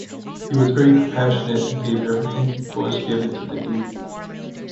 He was very compassionate and gave everything he was given to the needy.